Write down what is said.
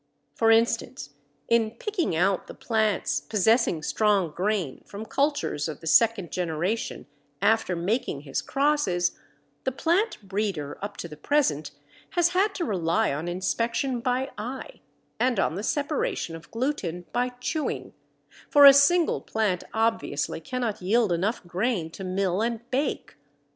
For instance, in picking out the plants possessing strong grain from cultures of the second generation after making his crosses, the plant breeder up to the present has had to rely on inspection by eye, and on the separation of gluten by chewing, for a single plant obviously cannot yield enough grain to mill and bake.